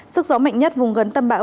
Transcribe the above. sức gió mạnh nhất vùng gần tâm bão